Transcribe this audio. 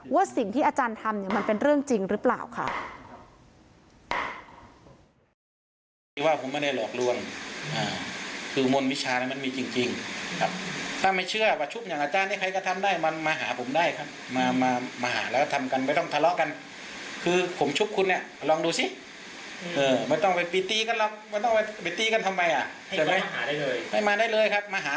ว่าสิ่งที่อาจารย์ทำมันเป็นเรื่องจริงหรือเปล่าค่ะ